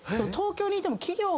東京にいても。